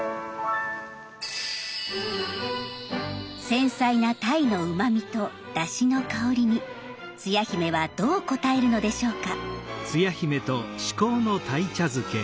繊細な鯛のうまみとだしの香りにつや姫はどう応えるのでしょうか。